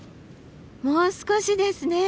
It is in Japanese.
もう少しですね。